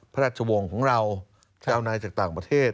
พระราชวงศ์ของเราเจ้านายจากต่างประเทศ